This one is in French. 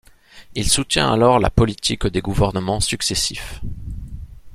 Il soutient alors la politique des gouvernements successifs.